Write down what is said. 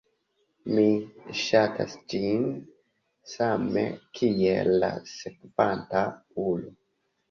Mi sxatas ĝin, same kiel la sekvanta ulo